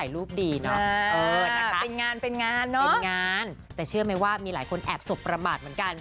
เป็นงานเป็นงานเนอะเป็นงานแต่เชื่อไหมว่ามีหลายคนแอบสบประมาทเหมือนกัน